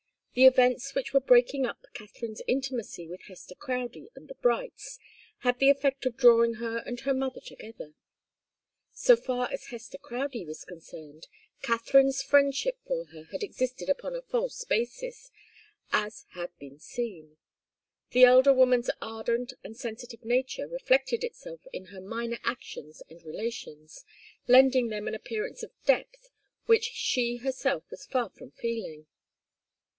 The events which were breaking up Katharine's intimacy with Hester Crowdie and the Brights had the effect of drawing her and her mother together. So far as Hester Crowdie was concerned, Katharine's friendship for her had existed upon a false basis, as has been seen. The elder woman's ardent and sensitive nature reflected itself in her minor actions and relations, lending them an appearance of depth which she herself was far from feeling.